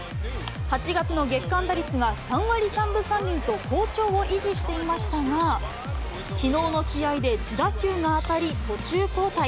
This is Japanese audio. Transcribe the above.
８月の月間打率が３割３分３厘と好調を維持していましたが、きのうの試合で自打球が当たり、途中交代。